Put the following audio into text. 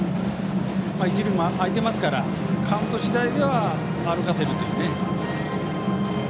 一塁も空いてますからカウント次第では歩かせるというね。